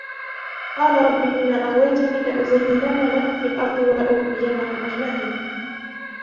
قال رب بما أغويتني لأزينن لهم في الأرض ولأغوينهم أجمعين